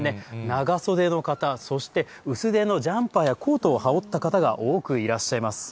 長袖の方、そして薄手のジャンパーやコートを羽織った方が多くいらっしゃいます。